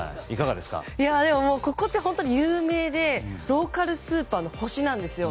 でも、ここって本当に有名でローカルスーパーの星なんですよ。